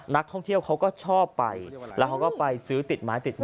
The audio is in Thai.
นักท่องเที่ยวเขาก็ชอบไปแล้วเขาก็ไปซื้อติดไม้ติดไม้